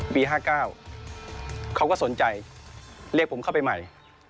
ปี๕๙เขาก็สนใจเรียกผมเข้าไปใหม่